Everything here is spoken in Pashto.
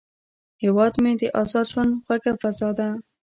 هیواد مې د ازاد ژوند خوږه فضا ده